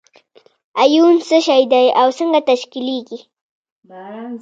ایون څه شی دی او څنګه تشکیلیږي؟